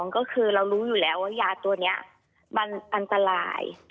ก็คือเรารู้อยู่แล้วว่ายาตัวนี้มันอันตราย